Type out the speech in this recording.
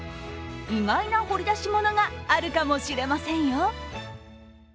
意外な掘り出しものがあるかもしれませんよ。